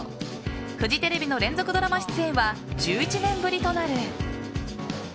フジテレビの連続ドラマ出演は１１年ぶりとなる。